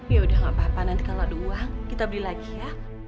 ya udah gak apa apa nanti kalau ada uang kita beli lagi ya